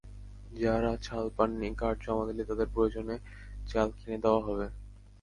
যাঁরা চাল পাননি, কার্ড জমা দিলে তাঁদের প্রয়োজনে চাল কিনে দেওয়া হবে।